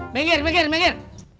mengir mengir mengir